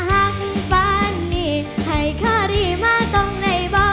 หากบ้านนี้ให้เคอรี่มาตรงไหนบ่